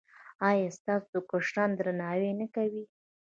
ایا ستاسو کشران درناوی نه کوي؟